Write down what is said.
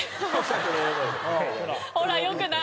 ほらよくない。